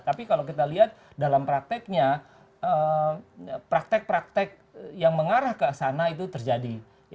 tapi kalau kita lihat dalam prakteknya praktek praktek yang mengarah ke sana itu terjadi